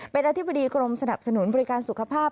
เป็นอธิบดีกรมสนับสนุนบริการสุขภาพ